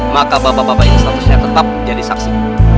maka bapak bapak ini statusnya tetap jadi saksi